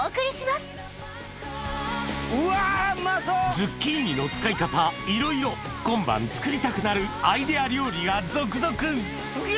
ズッキーニの使い方いろいろ今晩作りたくなるアイデア料理が続々好き！